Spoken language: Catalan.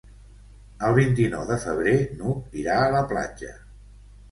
El vint-i-nou de febrer n'Hug irà a la platja.